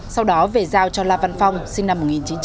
sau đó về giao cho la văn phong sinh năm một nghìn chín trăm sáu mươi tám